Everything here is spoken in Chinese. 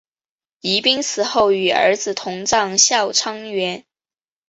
宜嫔死后与儿子同葬孝昌园。